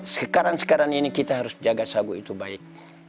sekarang sekarang ini kita harus jaga sagu itu baik